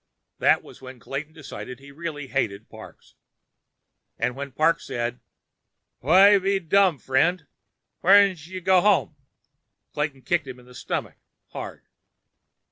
That was when Clayton decided he really hated Parks. And when Parks said: "Why be dumb, friend? Whyn't you go home?" Clayton kicked him in the stomach, hard.